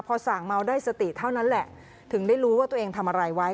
พอส่างเมาได้สติเท่านั้นแหละถึงได้รู้ว่าตัวเองทำอะไรไว้